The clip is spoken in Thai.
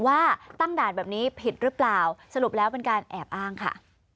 ว่าตั้งด่านแบบนี้ผิดหรือเปล่าสรุปแล้วเป็นการแอบอ้างค่ะ